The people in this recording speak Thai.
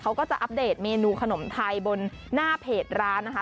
เขาก็จะอัปเดตเมนูขนมไทยบนหน้าเพจร้านนะคะ